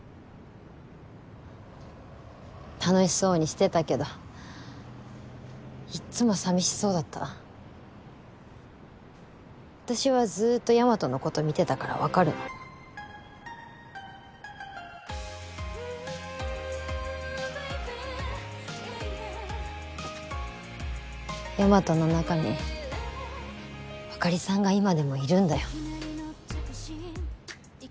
楽しそうにしてたけどいっつも寂しそうだった私はずっと大和のこと見てたから分かるの大和の中にあかりさんが今でもいるんだよ